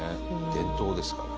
伝統ですから。